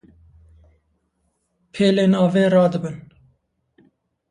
pêlên avê radibin.